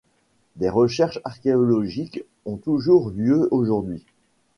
Des recherches archéologiques ont toujours lieu aujourd’hui.